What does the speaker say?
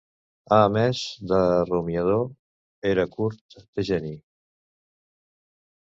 A emés de rumiador, era curt de geni